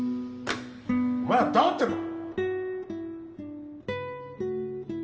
お前は黙ってろ！